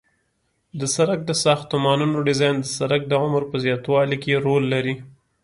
د سرک د ساختمانونو ډیزاین د سرک د عمر په زیاتوالي کې رول لري